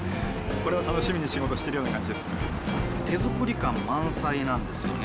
これを楽しみに仕事してるような手作り感満載なんですよね。